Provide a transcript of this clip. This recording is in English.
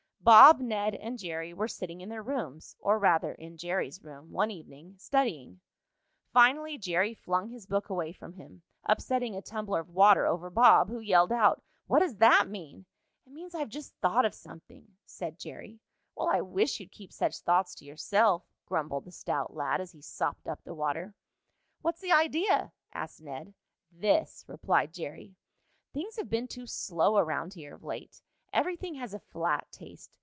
Bob, Ned and Jerry were sitting in their rooms, or rather, in Jerry's room, one evening, studying. Finally Jerry flung his book away from him, upsetting a tumbler of water over Bob, who yelled out: "What does that mean?" "It means I've just thought of something," said Jerry. "Well, I wish you'd keep such thoughts to yourself," grumbled the stout lad, as he sopped up the water. "What's the idea?" asked Ned. "This," replied Jerry. "Things have been too slow around here of late. Everything has a flat taste.